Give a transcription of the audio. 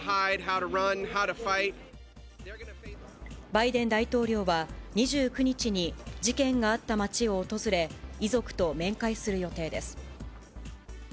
バイデン大統領は、２９日に事件があった町を訪れ、遺族と面会する予定です。